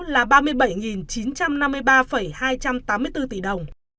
là ba mươi bảy chín trăm năm mươi ba hai trăm tám mươi bốn tỷ đồng